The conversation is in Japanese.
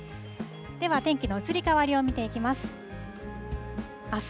では、天気の移り変わりを見ていきます。